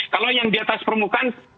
kalau yang di atas permukaan